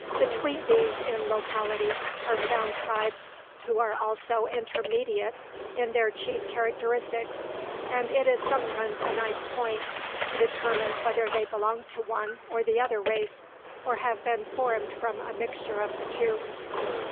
Between these in locality, are found tribes who are also intermediate in their chief characteristics, and it is sometimes a nice point to determine whether they belong to one or the other race, or have been formed by a mixture of the two.